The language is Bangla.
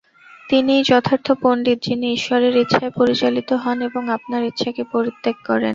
তিনিই যথার্থ পণ্ডিত, যিনি ঈশ্বরের ইচ্ছায় পরিচালিত হন এবং আপনার ইচ্ছাকে পরিত্যাগ করেন।